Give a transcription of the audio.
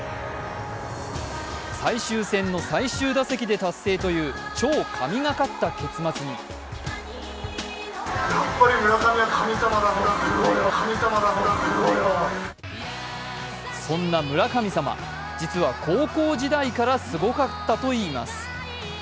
最終戦の最終打席で達成という超神がかった結末にそんな村神様、実は高校時代からすごかったといいます。